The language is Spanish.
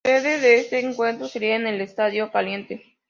La sede de este encuentro sería en el Estadio Caliente.